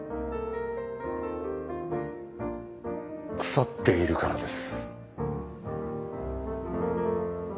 腐っているからです。